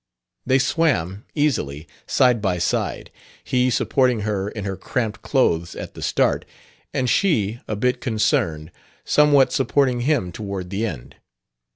They swam, easily, side by side, he supporting her in her cramped clothes at the start, and she, a bit concerned, somewhat supporting him toward the end.